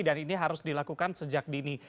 dan ini harus dilakukan sejak dini